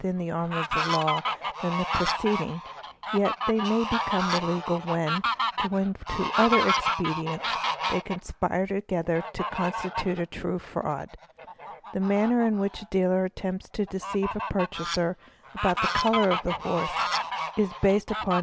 _ a 4 arm of the law than the preceding, yet they may become illegal, when, joined to other expedients, they conspire together to constitute a true | fraud. The manner in which a dealer attempts to deceive a purchaser about the colour of a horse is based upon.